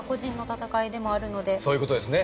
そういう事ですね。